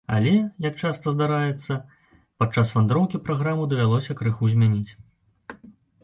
Але, як часта здараецца, падчас вандроўкі праграму давялося крыху змяніць.